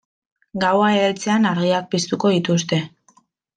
Gaua heltzean argiak piztuko dituzte.